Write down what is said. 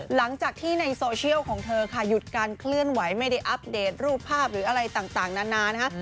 หลังจากที่ในโซเชียลของเธอค่ะหยุดการเคลื่อนไหวไม่ได้อัปเดตรูปภาพหรืออะไรต่างนานานะคะ